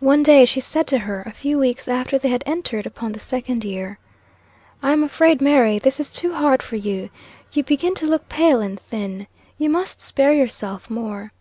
One day she said to her, a few weeks after they had entered upon the second year "I am afraid, Mary, this is too hard for you. You begin to look pale and thin. You must spare yourself more."